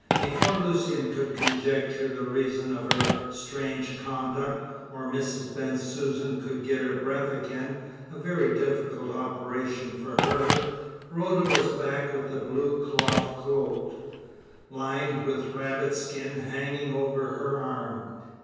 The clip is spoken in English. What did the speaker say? Before Lucian could conjecture the reason of her strange conduct, or Mrs. Bensusan could get her breath again a very difficult operation for her Rhoda was back with a blue cloth cloak, lined with rabbit skins, hanging over her arm.